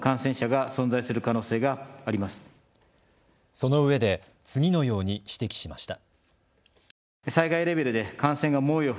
そのうえで次のように指摘しました。